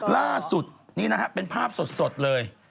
ล่าสุดนี้นะฮะเป็นภาพสดเลย